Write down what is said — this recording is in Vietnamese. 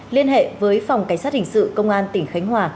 liên hệ với phòng cảnh sát hình sự công an tỉnh khánh hòa